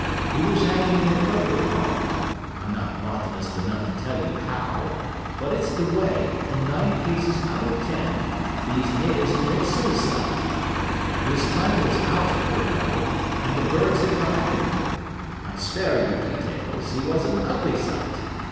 He was hanging in a cocoa palm I'm not botanist enough to tell you how but it's the way, in nine cases out of ten, these natives commit suicide. His tongue was out, poor devil, and the birds had got at him; I spare you details, he was an ugly sight!